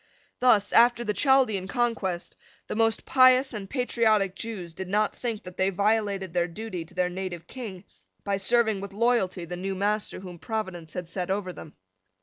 Thus, after the Chaldean conquest, the most pious and patriotic Jews did not think that they violated their duty to their native King by serving with loyalty the new master whom Providence had set over them.